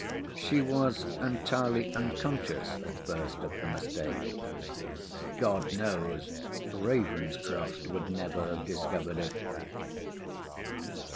She was entirely unconscious at first of the mistake: God knows, Ravenscroft would never have discovered it.